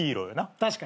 確かに。